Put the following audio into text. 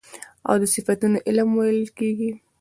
او د صفتونو علم ويل کېږي .